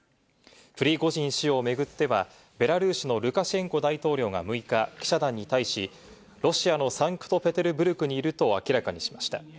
プリコジン氏を巡っては、ベラルーシのルカシェンコ大統領が６日、記者団に対し、ロシアのサンクトペテルブルクにいると明らかにしました。